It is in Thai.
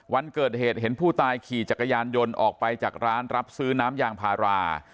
วันเกิดเหตุเห็นผู้ตายขี่จักรยานยนต์ออกไปจากร้านรับซื้อน้ำยางพารา